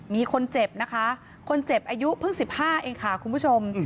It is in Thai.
มีคนเจ็บนะคะคนเจ็บอายุเพิ่ง๑๕เองค่ะคุณผู้ชม